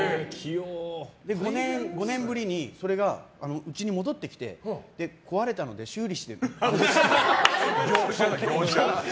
５年ぶりにそれがうちに戻ってきて壊れたので修理してって。